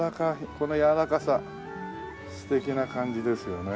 このやわらかさ素敵な感じですよね。